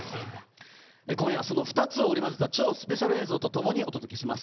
今夜はその２つを織り交ぜた超スペシャル映像とともにお届けします。